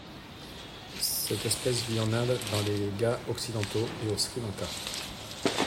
Cette espèce vit en Inde dans les Ghâts occidentaux, et au Sri Lanka.